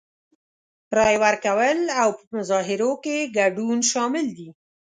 رای ورکول او په مظاهرو کې ګډون شامل دي.